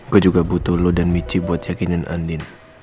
gue juga butuh lu dan mici buat yakinin andin